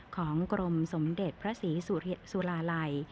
ของกรมสมเด็จพระศรีสุราลัย